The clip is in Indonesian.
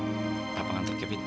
mak aku akan keterkipin